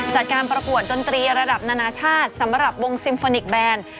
จัดการประกวดดนตรีระดับนานาชาติสำหรับวงซิมโฟนิกแบน